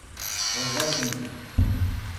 Teffreḍ-asent-ten.